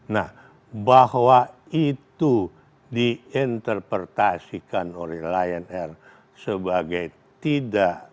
nah bahwa itu diinterpretasikan oleh lion air sebagai tidak